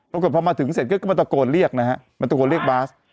ปรากฏพอมาถึงเสร็จก็มาตะโกนเรียกนะฮะมันตะโกนเรียกบาส